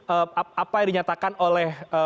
apa yang dinyatakan oleh